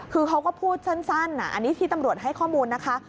คือเขาก็พูดสั้นอันนี้ที่ตำรวจให้ข้อมูลนะคะ